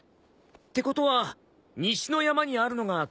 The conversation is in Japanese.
ってことは西の山にあるのがドラキュラ城？